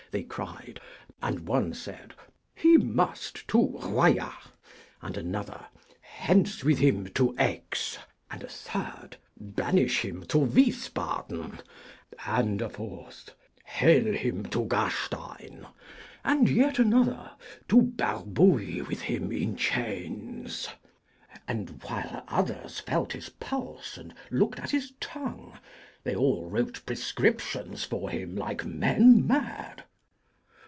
they cried. And one said, 'He must to Royat;' and another, 'Hence with him to Aix;' and a third, 'Banish him to Wiesbaden;' and a fourth, 'Hale him to Gastein;' and yet another, 'To Barbouille with him in chains!' And while others felt his pulse and looked at his tongue, they all wrote prescriptions for him like men mad.